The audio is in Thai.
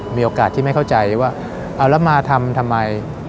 มีโอกาสที่ไม่เข้าใจว่าเอาแล้วมาทำทำไม